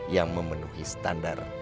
yang memenuhi standar